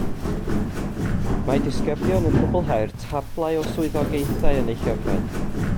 Mae disgyblion yn cwblhau'r tablau o swyddogaethau yn eu llyfrau